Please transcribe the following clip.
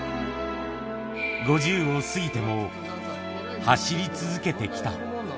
５０を過ぎても、走り続けてきた。